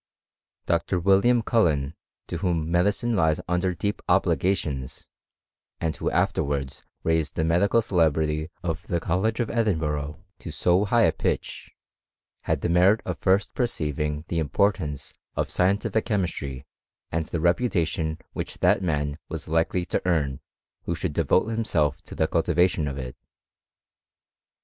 Dr. William Cullen, to whom medicine lies under ep obligations, and who , afterwards raised the Bdical celebrity of the College of Edinburgh to so ^h a pitch, had the merit of first perceiving the portance of scientific chemistry, and the reputa* n which that man was likely to earn, who shouM vote himself to the cultivation of it.